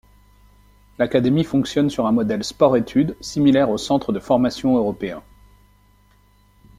L’académie fonctionne sur un modèle “sport-études” similaires aux centres de formation européens.